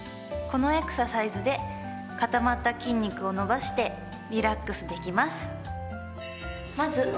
このエクササイズで固まった筋肉を伸ばしてリラックスできます。